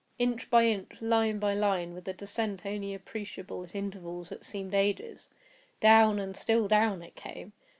Inch by inch—line by line—with a descent only appreciable at intervals that seemed ages—down and still down it came!